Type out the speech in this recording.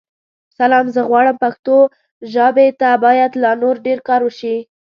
سلام؛ زه غواړم پښتو ژابې ته بايد لا نور ډير کار وشې.